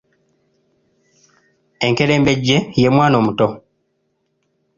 Enkerembejje ye Mwana omuto.